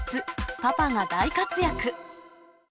パパが大活躍。